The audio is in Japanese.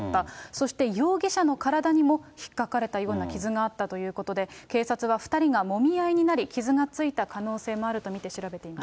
そして、容疑者の体にもひっかかれたような傷があったということで、警察は、２人がもみ合いになり傷がついた可能性もあると見て調べています。